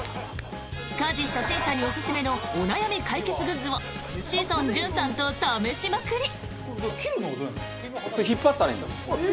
家事初心者におすすめのお悩み解決グッズを志尊淳さんと試しまくり！